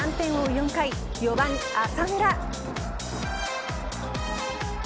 ４回、４番、浅村。